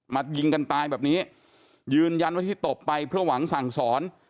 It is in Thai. ยิงกันตายแบบนี้ยืนยันว่าที่ตบไปเพื่อหวังสั่งสอน